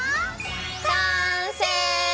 完成！